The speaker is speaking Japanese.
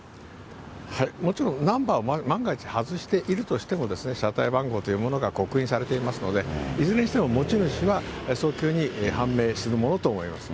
もちろんナンバーを万が一外しているとしても、車体番号というものが刻印されていますので、いずれにしても持ち主は早急に判明するものと思います。